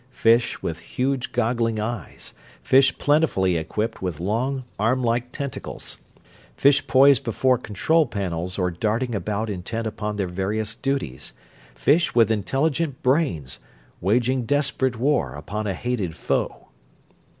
Fish with huge, goggling eyes; fish plentifully equipped with long, armlike tentacles; fish poised before control panels or darting about intent upon their various duties. Fish with intelligent brains, waging desperate war upon a hated foe!